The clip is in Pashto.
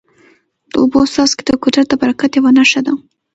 د اوبو څاڅکي د قدرت د برکت یوه نښه ده.